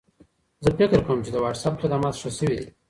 زه فکر کوم چې د وټساپ خدمات ښه شوي دي.